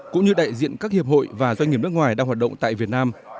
cũng như đại diện các hiệp hội và doanh nghiệp nước ngoài đang hoạt động tại việt nam